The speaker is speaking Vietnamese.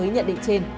với nhận định trên